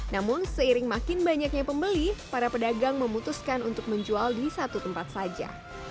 namun seiring makin banyaknya pembeli para pedagang memutuskan untuk menjual di satu tempat saja